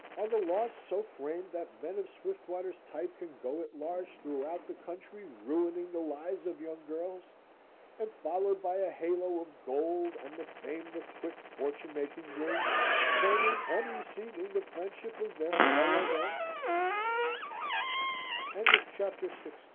Are the laws so framed that men of Swiftwater's type can go at large throughout the country ruining the lives of young girls, and, followed by a halo of gold and the fame that quick fortune making brings, claiming and receiving the friendship of their fellow men? CHAPTER XVII.